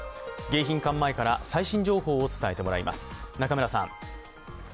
迎賓館前から最新情報を伝えてもらいます。